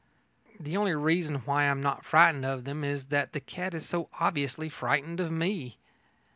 The only reason why I am not frightened of them is that the cat is so obviously frightened of me.